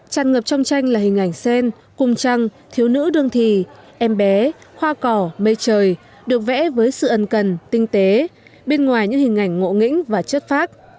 tràn ngập trong tranh là hình ảnh xen cung trăng thiếu nữ đương thị em bé hoa cỏ mê trời được vẽ với sự ân cần tinh tế bên ngoài những hình ảnh ngộ nghĩnh và chất phát